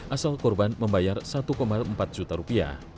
asal korban membayar satu empat juta rupiah